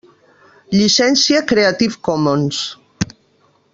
Llicència Creative Commons.